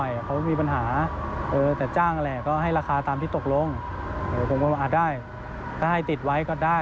ออกไปใช้การฟังให้พี่ตอบ